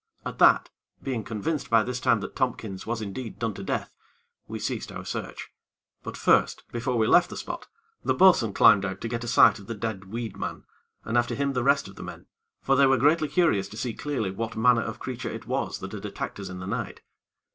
At that, being convinced by this time that Tompkins was indeed done to death, we ceased our search; but first, before we left the spot, the bo'sun climbed out to get a sight of the dead weed man and after him the rest of the men, for they were greatly curious to see clearly what manner of creature it was that had attacked us in the night.